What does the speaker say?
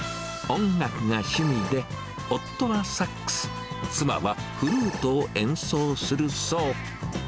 音楽が趣味で、夫はサックス、妻はフルートを演奏するそう。